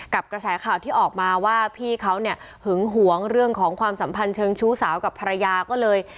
กระแสข่าวที่ออกมาว่าพี่เขาเนี่ยหึงหวงเรื่องของความสัมพันธ์เชิงชู้สาวกับภรรยาก็เลย